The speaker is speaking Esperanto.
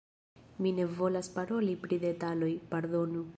Mi ne volas paroli pri detaloj, pardonu.